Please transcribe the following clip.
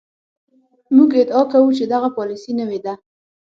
موږ ادعا کوو چې دغه پالیسي نوې ده.